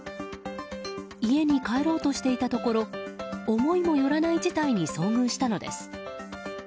家に帰ろうとしていたところ思いもよらない事態に遭遇したのです。